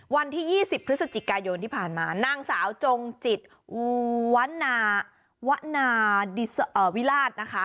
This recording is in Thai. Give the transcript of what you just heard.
วันที่๒๐พฤศจิกายนที่ผ่านมานางสาวจงจิตวนาวนาวิราชนะคะ